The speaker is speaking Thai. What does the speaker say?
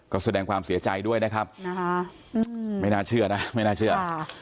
ก็แสดงความเสียใจด้วยนะครับไม่น่าเชื่อนะไม่น่าเชื่อ